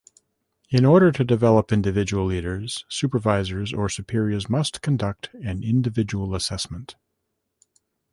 In order to develop individual leaders, supervisors or superiors must conduct an individual assessment.